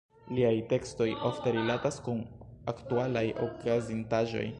Liaj tekstoj ofte rilatas kun aktualaj okazintaĵoj.